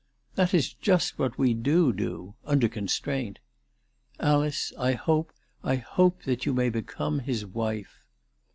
"That is just what we do do, under constraint. Alice, I hope, I hope that you may become his wife."